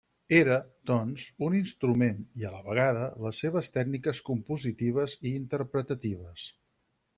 Era, doncs, un instrument i a la vegada les seves tècniques compositives i interpretatives.